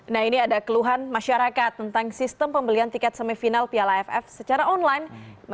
nah ini ada keluhan masyarakat tentang sistem pembelian tiket semifinal piala aff secara online